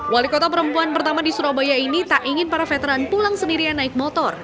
wali kota perempuan pertama di surabaya ini tak ingin para veteran pulang sendirian naik motor